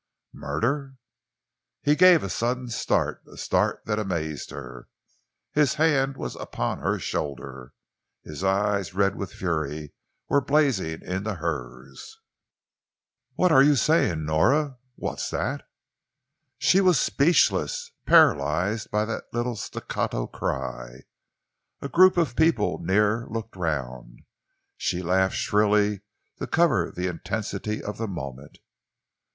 "Murder!" He gave a sudden start, a start that amazed her. His hand was upon her shoulder. His eyes, red with fury, were blazing into hers. "What's that you're saying, Nora? What's that?" She was speechless, paralysed by that little staccato cry. A group of people near looked around. She laughed shrilly to cover the intensity of the moment.